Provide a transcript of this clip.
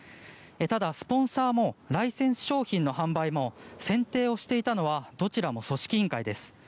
ただスポンサーもライセンス商品の販売も選定をしていたのはどちらも組織委員会です。